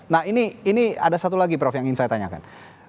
nah ini ada satu lagi prof yang ingin saya tanyakan